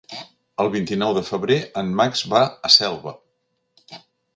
El vint-i-nou de febrer en Max va a Selva.